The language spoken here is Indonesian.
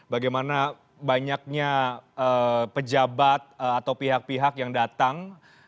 bagaimana banyaknya pejabat atau pihak pihak yang datang